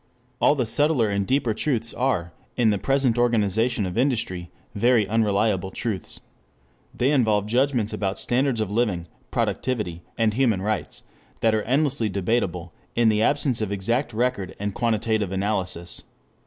All the subtler and deeper truths are in the present organization of industry very unreliable truths. They involve judgments about standards of living, productivity, human rights that are endlessly debatable in the absence of exact record and quantitative analysis.